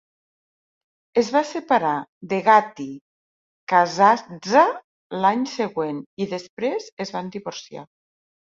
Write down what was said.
Es va separar de Gatti-Casazza l'any següent i després es van divorciar.